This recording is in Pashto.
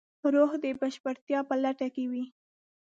روح د بشپړتیا په لټه کې وي.